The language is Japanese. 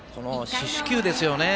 四死球ですよね。